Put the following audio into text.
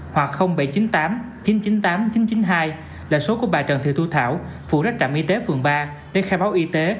hoặc bảy trăm chín mươi tám chín trăm chín mươi tám chín trăm chín mươi hai là số của bà trần thị thu thảo phụ trách trạm y tế phường ba để khai báo y tế